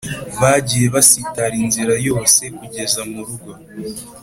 Bagiye basitara inzira yose kugeza murugo